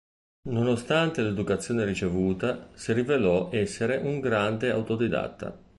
Nonostante l'educazione ricevuta, si rivelò essere un grande autodidatta.